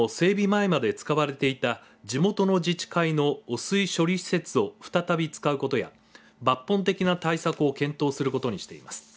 前まで使われていた地元の自治会の汚水処理施設を再び使うことや抜本的な対策を検討することにしています。